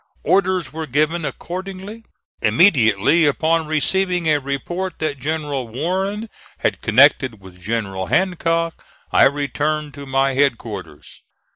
Orders were given accordingly. Immediately upon receiving a report that General Warren had connected with General Hancock, I returned to my headquarters.